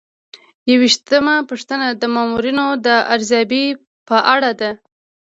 یوویشتمه پوښتنه د مامورینو د ارزیابۍ په اړه ده.